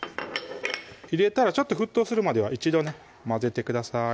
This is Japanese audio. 入れたらちょっと沸騰するまでは一度ね混ぜてください